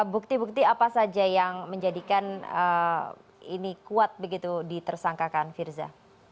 bukti bukti apa saja yang menjadikan ini kuat begitu ditersangkakan firza